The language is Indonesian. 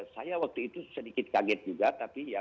saya waktu itu sedikit kaget juga tapi ya